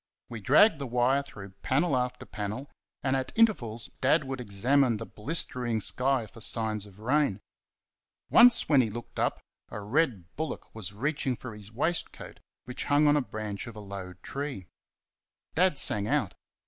We dragged the wire through panel after panel, and at intervals Dad would examine the blistering sky for signs of rain. Once when he looked up a red bullock was reaching for his waistcoat, which hung on a branch of a low tree. Dad sang out.